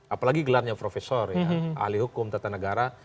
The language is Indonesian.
apalagi gelarnya profesor ya ahli hukum tata negara